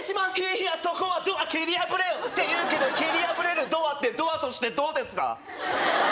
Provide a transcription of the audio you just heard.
いやそこはドア蹴り破れよって言うけど蹴り破れるドアってドアとしてどうですか？